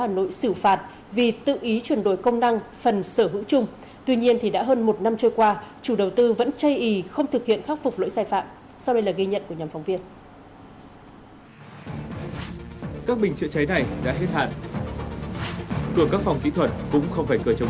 hà nội xử phạt vì tự ý chuyển đổi công năng phần sở hữu chung tuy nhiên thì đã hơn một năm trôi qua chủ đầu tư vẫn chây ý không thực hiện khắc phục lỗi sai phạm sau đây là ghi nhận của nhóm phóng viên